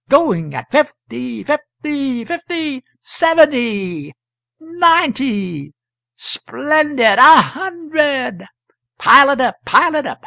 going at fifty, fifty, fifty! seventy! ninety! splendid! a hundred! pile it up, pile it up!